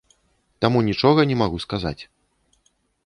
Таму нічога не магу сказаць.